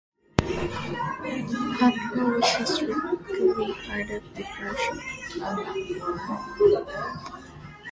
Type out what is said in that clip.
Atlow was historically part of the parish of Bradbourne.